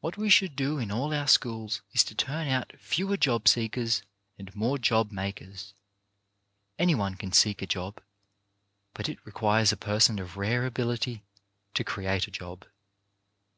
What we should do in all our schools is to turn out fewer job seekers and more job makers. Any one can seek a job, but it requires a person of rare ability to create a job.